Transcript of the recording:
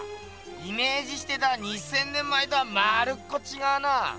イメージしてた２，０００年前とはまるっこちがうな！